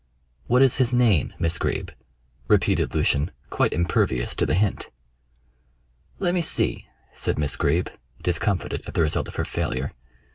"What is his name, Miss Greeb?" repeated Lucian, quite impervious to the hint. "Let me see," said Miss Greeb, discomfited at the result of her failure.